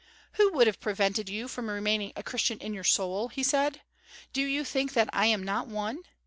"Who would have prevented you from remaining a Christian in your soul?" he said. "Do you think that I am not one?